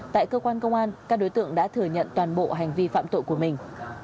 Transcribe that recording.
tại cơ quan công an các đối tượng đã thừa nhận toàn bộ hành vi phạm tội của mình